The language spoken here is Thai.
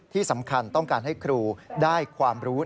ที่สำคัญต้องการให้ครูได้ความรู้